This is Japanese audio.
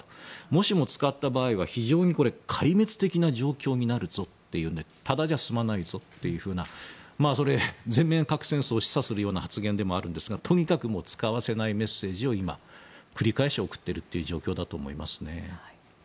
もしも使った場合は非常にこれ壊滅的な状況になるぞとただじゃ済まないぞというふうなそれは全面核戦争を示唆するような発言でもあるんですがとにかく使わせないメッセージを今、繰り返し送っているという状況だと思います。